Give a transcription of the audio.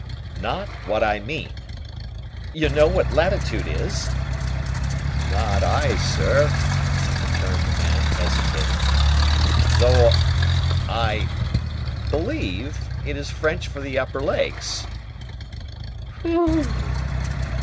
"Not what I mean! You know what latitude is?" "Not I, sir!" returned the man, hesitating. "Though I believe it is French for the upper lakes." "Whe e e w